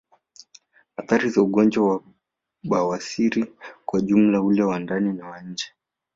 Athari za ugonjwa wa bawasiri kwa ujumla ule wa ndani na wa nje